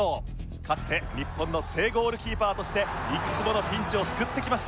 かつて日本の正ゴールキーパーとしていくつものピンチを救ってきました。